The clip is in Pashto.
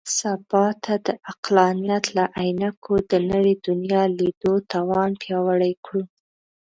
سبا ته د عقلانیت له عینکو د نوي دنیا لیدو توان پیاوړی کړو.